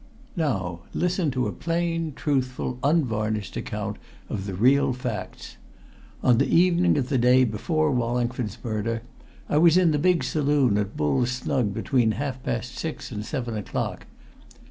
"Now listen to a plain, truthful, unvarnished account of the real facts. On the evening of the day before Wallingford's murder, I was in the big saloon at Bull's Snug between half past six and seven o'clock.